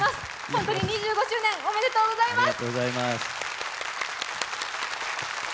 本当に２５周年、おめでとうございます。